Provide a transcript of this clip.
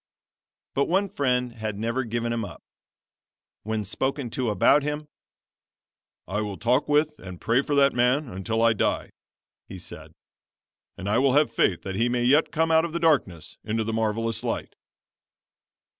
But one friend had never given him up. When spoken to about him "I will talk with and pray for that man until I die," he said; "and I will have faith that he may yet come out of darkness into the marvelous light."